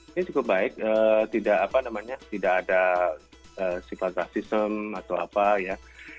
ini cukup baik tidak ada sifat rasisme atau apa ya